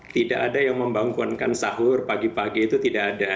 tidak ada yang membangkuankan sahur pagi pagi itu tidak ada